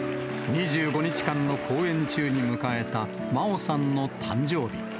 ２５日間の公演中に迎えた麻央さんの誕生日。